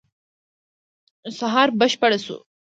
سهار بشپړ شو.